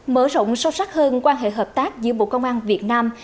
mở rộng sâu sắc hơn quan hệ hợp tác giữa bộ công an việt nam